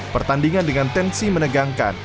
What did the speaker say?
pertandingan dengan tensi menegangkan